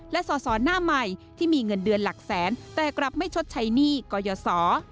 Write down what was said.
และสอสอหน้าใหม่ที่มีเงินเดือนหลักแสนแต่กลับไม่ชดใช้หนี้กรยศ